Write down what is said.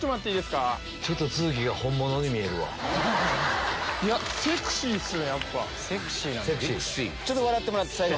ちょっと笑ってもらって最後。